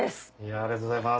ありがとうございます。